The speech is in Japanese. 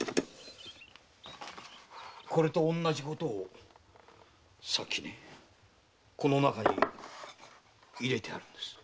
これと同じことをさっきこの中に入れたんです。